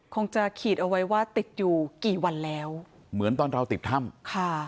คงจะขีดเอาไว้ว่าติดอยู่กี่วันแล้วเหมือนตอนเราติดถ้ำค่ะ